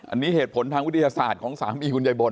อันนี้เหตุผลทางวิทยาศาสตร์ของสามีคุณยายบน